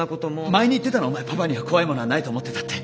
前に言ってたろお前パパには怖いものがないと思ってたって。